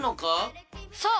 そう！